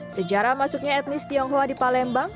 sejarah masuknya etnis tionghoa di palembang